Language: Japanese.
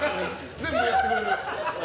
全部やってくれる。